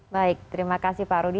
baik terima kasih pak rudi